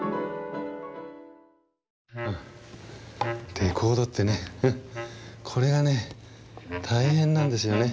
レコードってねこれがね大変なんですよね。